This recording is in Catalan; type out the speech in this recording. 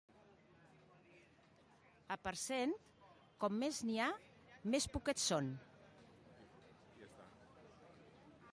A Parcent, com més n'hi ha, més poquets són.